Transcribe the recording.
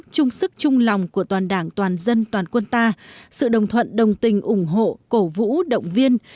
trung sức trung lòng của toàn đảng toàn dân toàn quân ta sự đồng thuận đồng tình ủng hộ cổ vũ động viên